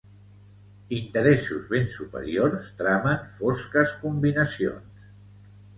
Interessos ben superiors tramen fosques combinacions.